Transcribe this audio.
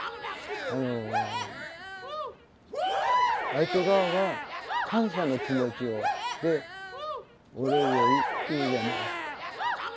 あの相手側が感謝の気持ちをでお礼を言うじゃないですか。